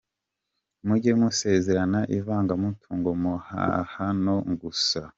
Mujye musezerana ivanga mutungo muhahano ngusa.